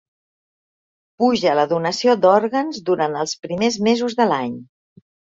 Puja la donació d'òrgans durant els primers mesos de l'any